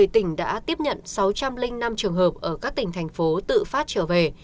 tỉnh đã tiếp nhận sáu trăm linh năm trường hợp ở các tỉnh thành phố tự phát trở về